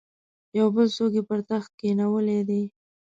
یو بل څوک یې پر تخت کښېنولی دی.